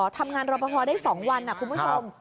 ทำงานรอปภได้๒วันคุณผู้ชม